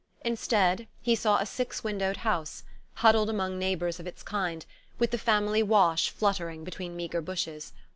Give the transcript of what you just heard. Instead, he saw a six windowed house, huddled among neighbours of its kind, with the family wash fluttering between meagre bushes.